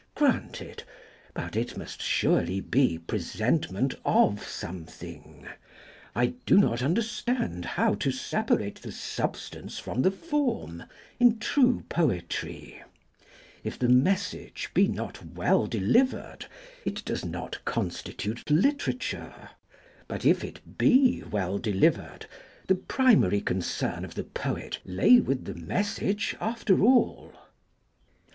Granted: but it must surely be presentment of something. ... I do not understand how to separate the substance from the form in true poetry. ... If the message be not well delivered, it does not constitute literature. But if it be well delivered, the primary concern of the poet lay with the message after all!'